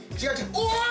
おい！